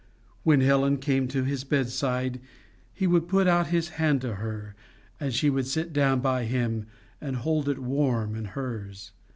When Helen came to his bedside, he would put out his hand to her, and she would sit down by him and hold it warm in hers.